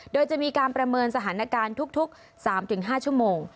โดยจะมีการประเมินสถานการณ์ทุก๓๕ชั่วโมง